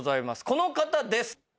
この方です。